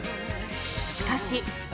しかし。